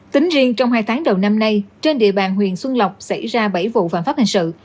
tính riêng trong hai tháng đầu năm nay trên địa bàn huyện xuân lộc xảy ra bảy vụ phạm pháp hình sự